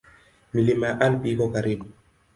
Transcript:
Milima ya Alpi iko karibu.